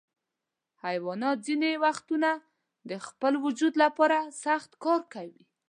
حیوانات ځینې وختونه د خپل وجود لپاره سخت کار کوي.